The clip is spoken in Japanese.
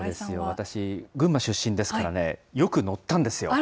私、群馬出身ですからね、よく乗ったんですよ。